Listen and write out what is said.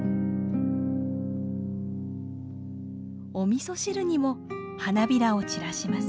おみそ汁にも花びらを散らします。